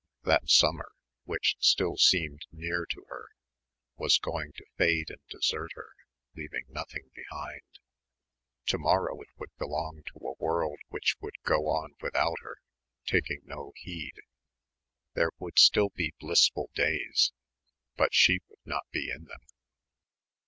That summer, which still seemed near to her, was going to fade and desert her, leaving nothing behind. To morrow it would belong to a world which would go on without her, taking no heed. There would still be blissful days. But she would not be in them.